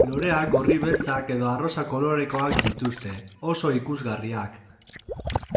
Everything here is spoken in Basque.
Loreak gorri-beltzak edo arrosa kolorekoak dituzte, oso ikusgarriak.